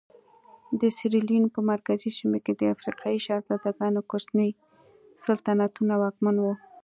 د سیریلیون په مرکزي سیمو کې د افریقایي شهزادګانو کوچني سلطنتونه واکمن وو.